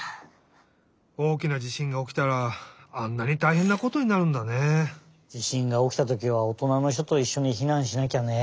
おおきな地しんがおきたらあんなにたいへんなことになるんだね。地しんがおきたときはおとなのひとといっしょにひなんしなきゃね。